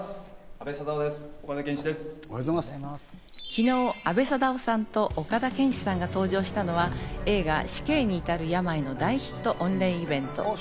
昨日、阿部サダヲさんと岡田健史さんが登場したのは映画『死刑にいたる病』の大ヒット御礼イベント。